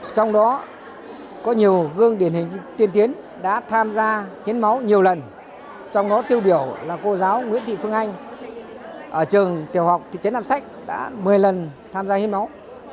trong đó có nhiều gương điển hình tiên tiến đã tham gia hiến máu nhiều lần trong đó tiêu biểu là cô giáo nguyễn thị phương anh ở trường tiểu học thị trấn nam sách đã một mươi lần tham gia hiến máu